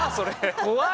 怖い！